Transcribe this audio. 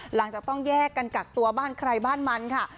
หลังจากต้องแยกกันกักตัวบ้านใครบ้านมันค่ะ